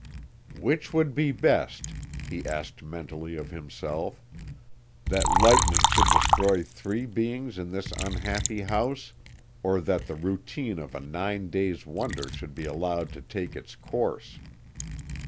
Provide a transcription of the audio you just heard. "Which would be best," he asked mentally of himself, "that lightning should destroy three beings in this unhappy house, or that the routine of a nine days' wonder should be allowed to take its course?